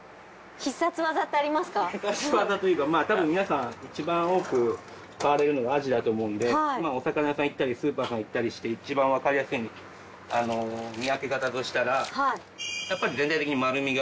必殺技というかまぁたぶん皆さんいちばん多く買われるのがアジだと思うんでお魚屋さん行ったりスーパーさん行ったりしていちばんわかりやすい見分け方としたらやっぱり全体的に丸みが。